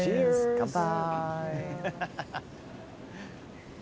乾杯。